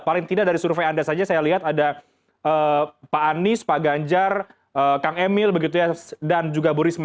paling tidak dari survei anda saja saya lihat ada pak anies pak ganjar kang emil dan juga bu risma